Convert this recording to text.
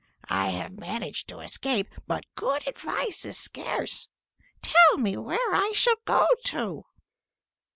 I have managed to escape, but good advice is scarce; tell me where I shall go to?"